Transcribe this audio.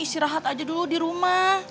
istirahat aja dulu di rumah